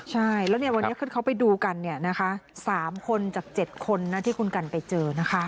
ใช่แล้วเนี่ยวันนี้เขาไปดูกันเนี่ยนะคะสามคนจากเจ็ดคนน่ะที่คุณกัลไปเจอนะคะ